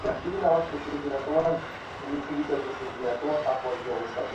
সরকারের পক্ষ থেকে প্রচারমাধ্যমের অধিকারে হস্তক্ষেপ করা হচ্ছে বলে অভিযোগ করেছে সম্পাদক পরিষদ।